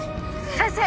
先生！